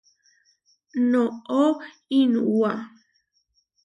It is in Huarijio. Noʼó iʼnuwá.